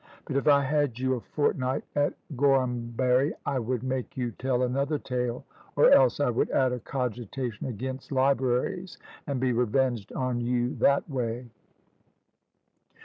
But if I had you a fortnight at Gorhambury, I would make you tell another tale; or else I would add a cogitation against libraries, and be revenged on you that way."